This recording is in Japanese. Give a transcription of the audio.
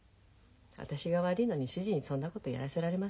私が悪いのに主人にそんなことやらせられません。